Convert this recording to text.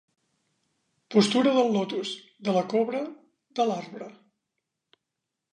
Postura del lotus, de la cobra, de l'arbre.